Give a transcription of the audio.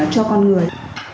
cho con người